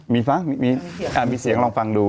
มีฟังมีเสียงลองฟังดู